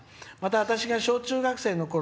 私が小中学生のころ